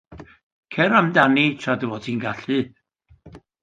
Cer amdani tra dy fod ti'n gallu.